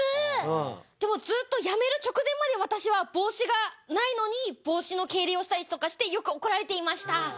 でもずっと辞める直前まで私は帽子がないのに帽子の敬礼をしたりとかしてよく怒られていました。